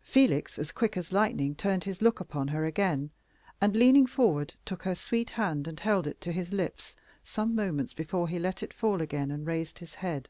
Felix as quick as lightning turned his look upon her again, and, leaning forward, took her sweet hand and held it to his lips some moments before he let it fall again and raised his head.